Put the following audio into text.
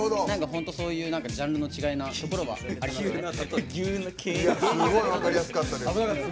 本当、そういうジャンルの違いなところがありますね。